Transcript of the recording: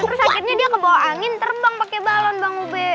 terus akhirnya dia kebawa angin terbang pake balon bang ub